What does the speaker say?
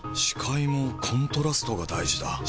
視界もコントラストが大事だ。